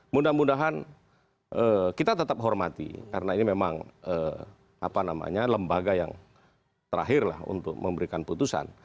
mudah mudahan kita tetap hormati karena ini memang apa namanya lembaga yang terakhir lah untuk memberikan putusan